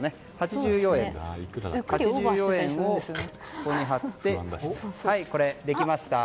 ８４円を貼って、できました。